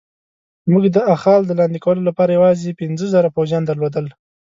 موږ د اخال د لاندې کولو لپاره یوازې پنځه زره پوځیان درلودل.